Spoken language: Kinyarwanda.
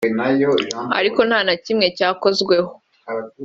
ariko nta na kimwe cyakozweho